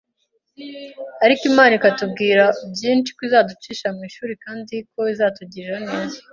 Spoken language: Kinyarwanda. ariko Imana ikatubwira byinshi ko izaducisha mu ishuri kandi ko izatugirira neza